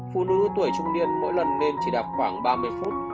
phụ nữ tuổi trung niên mỗi lần nên chỉ đạt khoảng ba mươi phút